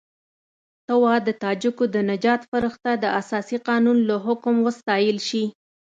ته وا د تاجکو د نجات فرښته د اساسي قانون له حکم وستایل شي.